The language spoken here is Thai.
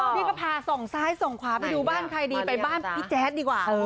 นี่ก็พาส่องซ้ายส่องขวาไปดูบ้านใครดีไปบ้านพี่แจ๊ดดีกว่า